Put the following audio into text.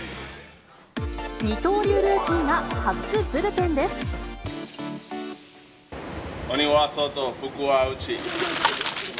二刀流ルーキーが初ブルペン鬼は外、福は内。